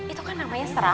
itu kan namanya serakah